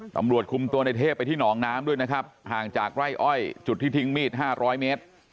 ตำรวจคุมตัวในเทพไปที่หนองน้ำด้วยนะครับห่างจากไร่อ้อยจุดที่ทิ้งมีด๕๐๐เมตร